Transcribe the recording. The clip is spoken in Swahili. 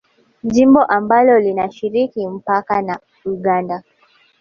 Jimbo ambalo linashiriki mpaka na Uganda